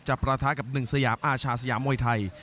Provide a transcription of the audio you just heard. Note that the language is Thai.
ประทะกับหนึ่งสยามอาชาสยามมวยไทย